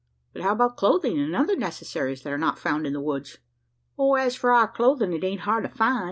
"But how about clothing, and other necessaries that are not found in the woods?" "As for our clothin' it ain't hard to find.